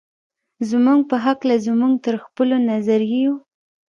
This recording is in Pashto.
زموږ په هکله زموږ تر خپلو نظریو.